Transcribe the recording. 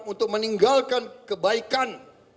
untuk meninggalkan kebaikan